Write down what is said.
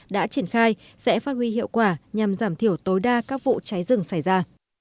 đã triển khai sẽ phát huy hiệu quả nhằm giảm thiểu tối đa các vụ cháy rừng xảy ra